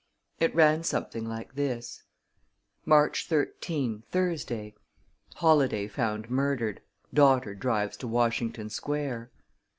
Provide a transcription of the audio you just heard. It ran something like this: March 13, Thursday Holladay found murdered; daughter drives to Washington Square.